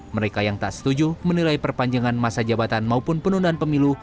mereka yang tak setuju menilai perpanjangan masa jabatan maupun penundaan pemilu